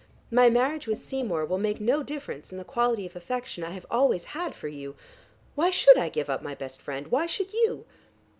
My marriage with Seymour will make no difference in the quality of affection I have always had for you. Why should I give up my best friend? Why should you?"